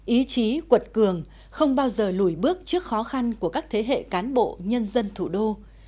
ý chí quật cường không bao giờ lùi bước trước khó khăn của các thế hệ cán bộ nhân dân thủ đô